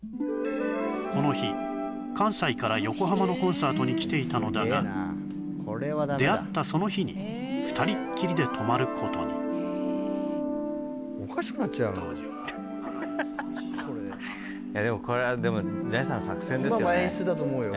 この日関西から横浜のコンサートに来ていたのだが出会ったその日に２人っきりで泊まることにまあまあ演出だと思うよ